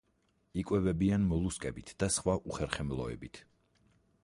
იკვებებიან მოლუსკებით და სხვა უხერხემლოებით.